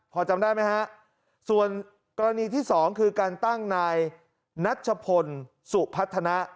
พอจำได้ไหมฮะส่วนกรณีที่สองคือการตั้งนายนัชพลสุพัฒนะ